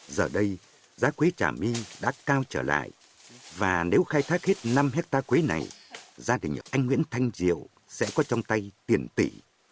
giờ đây giá quế trà my đã cao trở lại và nếu khai thác hết năm hectare quế này gia đình anh nguyễn thanh diệu sẽ có trong tay tiền tỷ